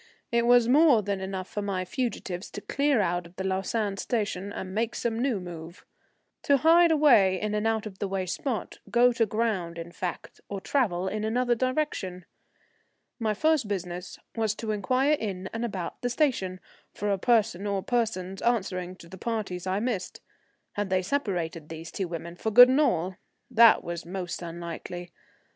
It was more than enough for my fugitives to clear out of the Lausanne station and make some new move, to hide away in an out of the way spot, go to ground in fact, or travel in another direction. My first business was to inquire in and about the station for a person or persons answering to the parties I missed. Had they separated, these two women, for good and all? That was most unlikely.